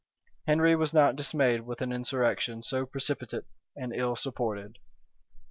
Henry was not dismayed with an insurrection so precipitate and ill supported.